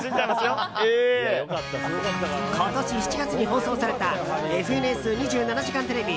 今年７月に放送された「ＦＮＳ２７時間テレビ」